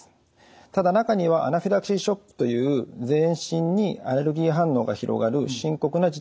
ただ中にはアナフィラキシーショックという全身にアレルギー反応が広がる深刻な事態になるケースもあります。